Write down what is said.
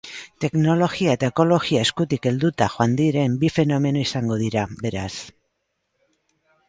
Teknologia eta ekologia eskutik helduta joango diren bi fenomeno izango dira, beraz.